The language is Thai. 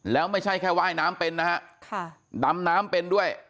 แล้วไม่ใช่แค่ว่ายน้ำเป็นนะฮะดำน้ำเป็นด้วย